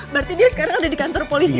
berarti dia sekarang ada di kantor polisi